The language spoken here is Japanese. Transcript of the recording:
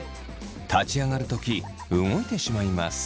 立ち上がる時動いてしまいます。